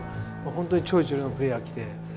本当に超一流のプレーヤーが来て。